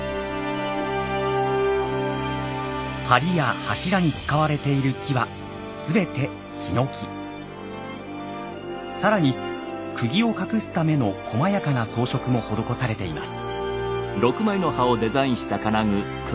はりや柱に使われている木は全て更に釘を隠すためのこまやかな装飾も施されています。